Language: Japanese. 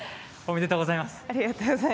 おめでとうございます。